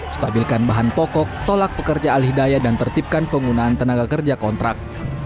stabilkan bahan pokok tolak pekerja alidayah dan tertipkan penggunaan tenaga kerja kontrak